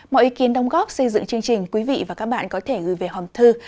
mọi ý kiến đồng góp xây dựng chương trình quý vị và các bạn có thể gửi về hòm thư